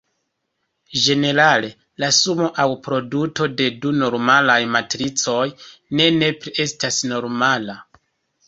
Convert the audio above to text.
Ĝenerale, la sumo aŭ produto de du normalaj matricoj ne nepre estas normala.